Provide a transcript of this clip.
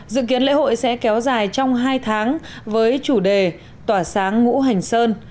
dự kiến lễ hội sẽ kéo dài trong hai tháng với chủ đề tỏa sáng ngũ hành sơn